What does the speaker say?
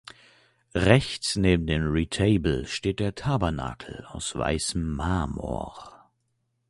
Rechts neben dem Retabel steht der Tabernakel aus weißem Marmor.